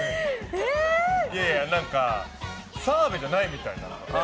いやいや、何か澤部じゃないみたい。